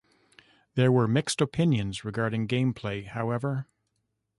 There were mixed opinions regarding game-play, however.